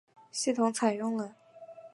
系统采用了。